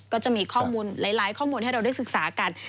ก็จะมีข้อมูลหลายข้อมูลให้เราได้ศึกษากัน